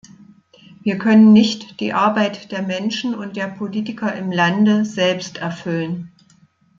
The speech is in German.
Wir können nicht die Arbeit der Menschen und der Politiker im Lande selbst erfüllen.